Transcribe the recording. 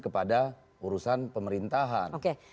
kepada urusan pemerintahan